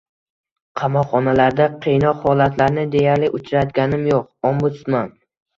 Qamoqxonalarda qiynoq holatlarini deyarli uchratganim yo‘q — ombudsman